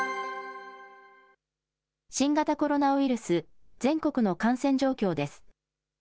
新型コロナウイルス、全国の感染状況です。